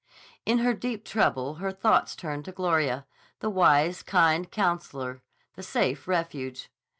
In her deep trouble her thoughts turned to Gloria, the wise, kind counsellor, the safe refuge.